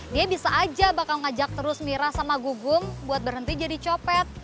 dia bisa aja bakal ngajak terus mira sama gugum buat berhenti jadi copet